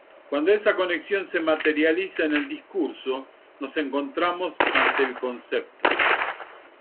Cuando esa conexión se materializa en el discurso, nos encontramos ante el concepto.